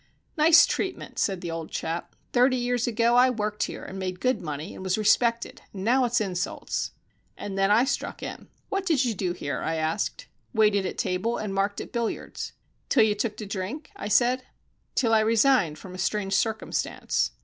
"Nice treatment!" said the old chap. "Thirty years ago I worked here, and made good money, and was respected, and now it's insults." And then I struck in. "What did you do here?" I asked. "Waited at table and marked at billiards." "Till you took to drink?" I said. "Till I resigned from a strange circumstance."